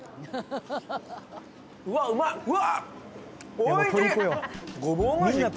うわっうまいうわ！